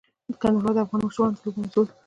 کندهار د افغان ماشومانو د لوبو موضوع ده.